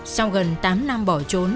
sau gần tám năm bỏ trốn